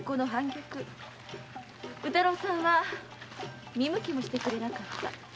宇太郎さんは見向きもしてくれなかった。